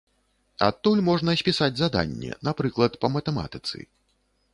Адтуль можна спісаць заданне, напрыклад, па матэматыцы.